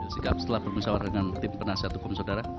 setelah berbicara dengan tim penasihat hukum saudara